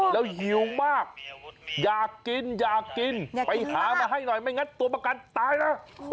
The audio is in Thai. แล้วหิวมากอยากกินอยากกินไปหามาให้หน่อยไม่งั้นตัวประกันตายนะ